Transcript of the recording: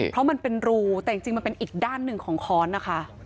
เพราะมันเป็นรูแต่จริงมันเป็นอีกด้านหนึ่งของค้อนนะคะ